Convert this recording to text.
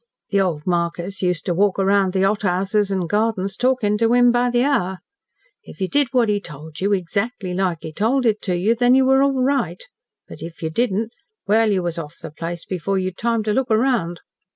The old Markis used to walk round the hothouses an' gardens talking to him by the hour. If you did what he told you EXACTLY like he told it to you, then you were all right, but if you didn't well, you was off the place before you'd time to look round.